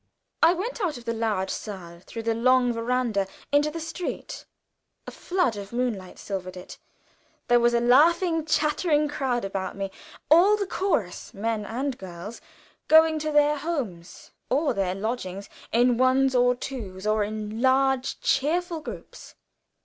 I went out of the large saal through the long veranda into the street. A flood of moonlight silvered it. There was a laughing, chattering crowd about me all the chorus; men and girls, going to their homes or their lodgings, in ones or twos, or in large cheerful groups.